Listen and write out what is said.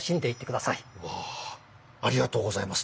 わあありがとうございます。